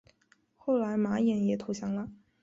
后来冯衍也投降了。